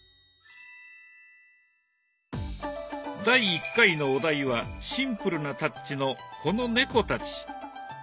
第１回のお題はシンプルなタッチのこの猫たち。